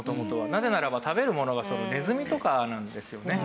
なぜならば食べるものがネズミとかなんですよね。